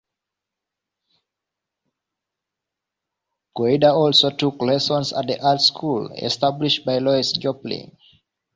Goyder also took lessons at the art school established by Louise Jopling.